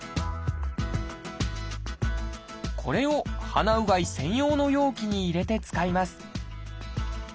これを鼻うがい専用の容器に入れて使います。